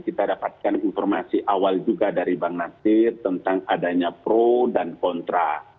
kita dapatkan informasi awal juga dari bang nasir tentang adanya pro dan kontra